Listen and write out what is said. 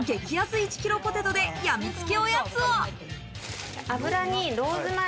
１ｋｇポテトでやみつきおやつを。